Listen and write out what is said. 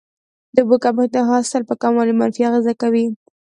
د اوبو کمښت د حاصل په کموالي منفي اغیزه کوي.